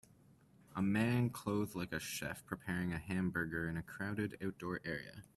A man clothed like a chef preparing a hamburger in a crowded outdoor area.